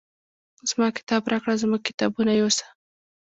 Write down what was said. زما کتاب راکړه زموږ کتابونه یوسه.